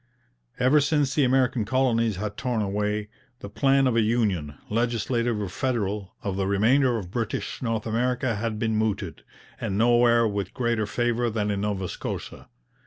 Ever since the American colonies had torn away, the plan of a union, legislative or federal, of the remainder of British North America had been mooted, and nowhere with greater favour than in Nova Scotia.